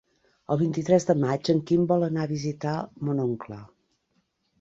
El vint-i-tres de maig en Quim vol anar a visitar mon oncle.